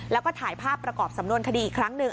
แล้วก็ถ่ายภาพประกอบสำนวนคดีอีกครั้งหนึ่ง